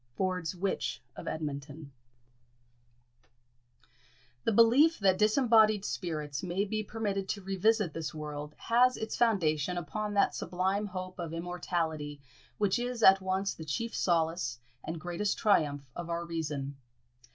Ford's Witch of Edmonton. The belief that disembodied spirits may be permitted to revisit this world has its foundation upon that sublime hope of immortality which is at once the chief solace and greatest triumph of our reason.